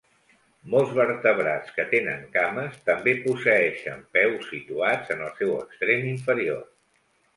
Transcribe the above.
Molts vertebrats que tenen cames també posseeixen peus situats en el seu extrem inferior.